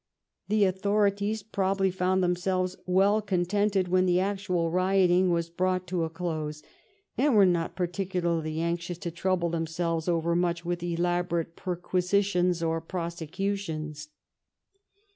The au thorities probably found themselves well contented when the actual rioting was brought to a close, and were not particularly anxious to trouble themselves overmuch with elaborate perquisitions or prosecutions.